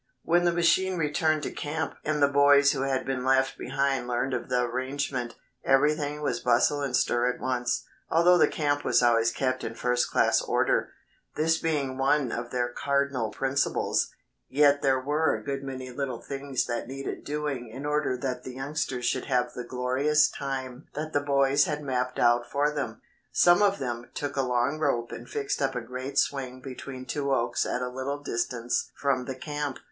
When the machine returned to camp and the boys who had been left behind learned of the arrangement, everything was bustle and stir at once. Although the camp was always kept in first class order, this being one of their cardinal principles, yet there were a good many little things that needed doing in order that the youngsters should have the glorious time that the boys had mapped out for them. Some of them took a long rope and fixed up a great swing between two oaks at a little distance from the camp.